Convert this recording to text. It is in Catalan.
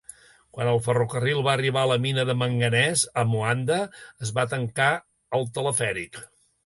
Quan el ferrocarril va arribar a la mina de manganès a Moanda, es va tancar el telefèric.